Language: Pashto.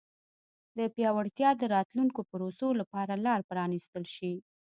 د پیاوړتیا د راتلونکو پروسو لپاره لار پرانیستل شي.